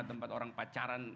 tempat orang pacaran